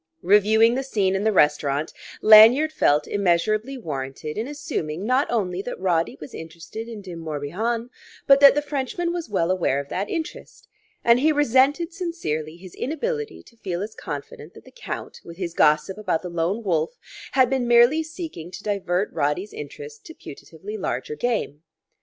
Reviewing the scene in the restaurant, Lanyard felt measurably warranted in assuming not only that Roddy was interested in De Morbihan, but that the Frenchman was well aware of that interest. And he resented sincerely his inability to feel as confident that the Count, with his gossip about the Lone Wolf, had been merely seeking to divert Roddy's interest to putatively larger game.